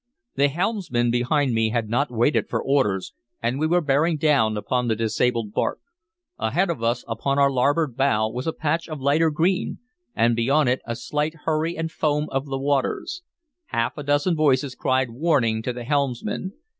The helmsman behind me had not waited for orders, and we were bearing down upon the disabled bark. Ahead of us, upon our larboard bow, was a patch of lighter green, and beyond it a slight hurry and foam of the waters. Half a dozen voices cried warning to the helmsman.